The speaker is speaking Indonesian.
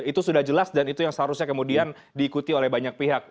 itu sudah jelas dan itu yang seharusnya kemudian diikuti oleh banyak pihak